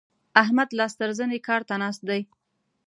احمد لاس تر زنې کار ته ناست دی.